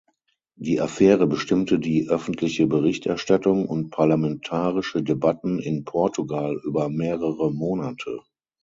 Die Affäre bestimmte die öffentliche Berichterstattung und parlamentarische Debatten in Portugal über mehrere Monate.